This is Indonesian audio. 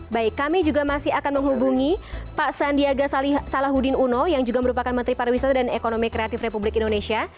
baik kami juga masih akan menghubungi pak sandiaga salahuddin uno yang juga merupakan menteri pariwisata dan ekonomi kreatif republik indonesia